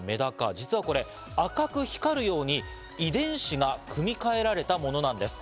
実はこれ、赤く光るように遺伝子が組み替えられたものなんです。